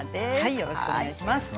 よろしくお願いします。